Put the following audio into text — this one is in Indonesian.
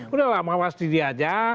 udah lah mawas diri aja